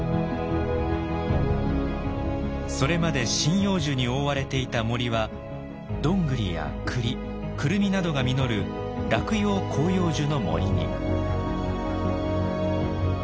それまで針葉樹に覆われていた森はドングリやクリクルミなどが実る落葉広葉樹の森に。